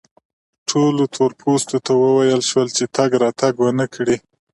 ټولو تور پوستو ته وویل شول چې تګ راتګ و نه کړي.